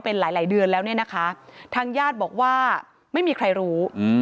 เป็นหลายเดือนแล้วเนี่ยนะคะทางญาติบอกว่าไม่มีใครรู้